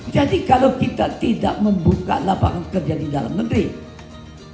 jadi kalau kita tidak membuka lapangan kerja di dalam negeri bagaimana mau bersaing sama negara